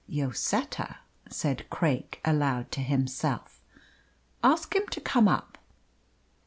"Lloseta," said Craik aloud to himself. "Ask him to come up."